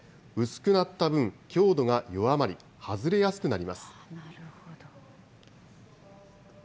薄くなった分、強度が弱まり、外れやすくなります。